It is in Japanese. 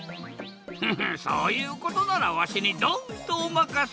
フフッそういうことならわしにドンとおまかせ！